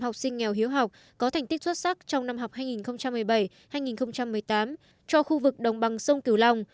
học sinh nghèo hiếu học có thành tích xuất sắc trong năm học hai nghìn một mươi bảy hai nghìn một mươi tám cho khu vực đồng bằng sông cửu long